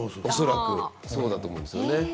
恐らくそうだと思うんですよね。